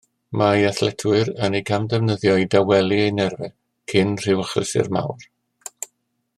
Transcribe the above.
Mae athletwyr yn eu camddefnyddio i dawelu eu nerfau cyn rhyw achlysur mawr